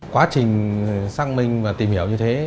quá trình xác minh và tìm hiểu như thế